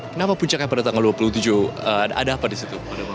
kenapa puncaknya pada tanggal dua puluh tujuh ada apa di situ